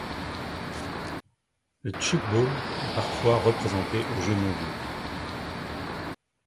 Le tchoukball est parfois représenté aux jeux mondiaux.